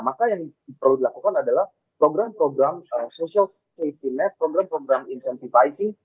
maka yang perlu dilakukan adalah program program social safety net program program insentifising